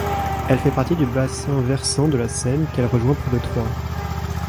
Elle fait partie du bassin versant de la Seine qu'elle rejoint près de Troyes.